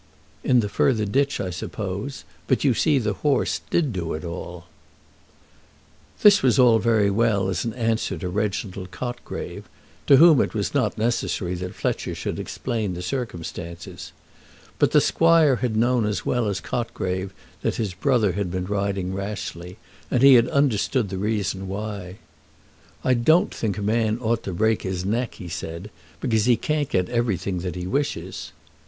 "In the further ditch, I suppose. But you see the horse did do it all." This was all very well as an answer to Reginald Cotgrave, to whom it was not necessary that Fletcher should explain the circumstances. But the squire had known as well as Cotgrave that his brother had been riding rashly, and he had understood the reason why. "I don't think a man ought to break his neck," he said, "because he can't get everything that he wishes."